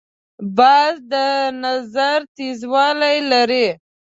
باز د نظر تیزوالی لري